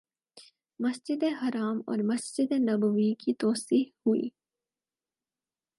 مسجد حرام اور مسجد نبوی کی توسیع ہوئی